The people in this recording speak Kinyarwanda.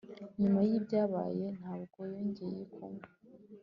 Nyuma yibyabaye ntabwo yongeye kunywa